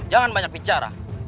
jangan banyak bicara